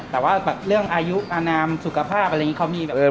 แต่ว่าแบบเรื่องอายุอนามสุขภาพอะไรอย่างนี้เขามีแบบ